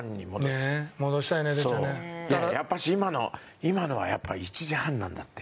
やっぱし今の今のはやっぱ１時半なんだって。